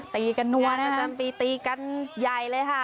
ตีกันนวลประจำปีตีกันใหญ่เลยค่ะ